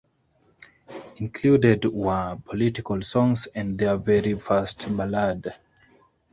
Included were political songs and their very first ballad.